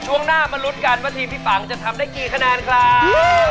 ช่วงหน้ามาลุ้นกันว่าทีมพี่ปังจะทำได้กี่คะแนนครับ